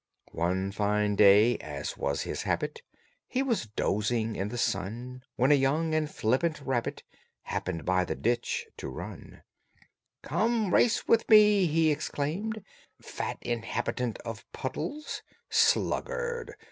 One fine day, as was his habit, He was dozing in the sun, When a young and flippant rabbit Happened by the ditch to run: "Come and race me," he exclaimed, "Fat inhabitant of puddles. Sluggard!